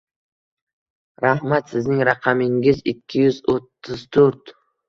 Rahmat. Sizning raqamingiz ikki yuz o'ttiz to'rt.